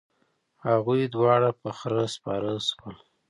هغوی دواړه په خره سپاره شول.